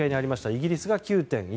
イギリスが９．１％。